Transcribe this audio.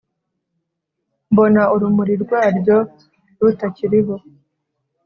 mbona urumuri rwaryo rutakiriho